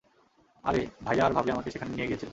আরে, ভাইয়া আর ভাবি আমাকে সেখানে নিয়ে গিয়েছিল।